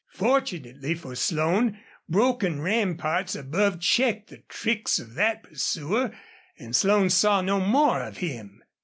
Fortunately for Slone, broken ramparts above checked the tricks of that pursuer, and Slone saw no more of him.